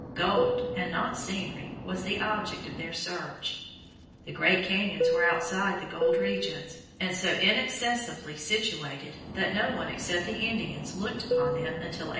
Gold, and not scenery, was the object of their search. The great cañons were outside of the gold regions, and so inaccessibly situated that no one except the Indians looked upon them until 1851.